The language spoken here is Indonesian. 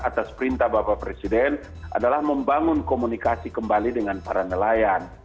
atas perintah bapak presiden adalah membangun komunikasi kembali dengan para nelayan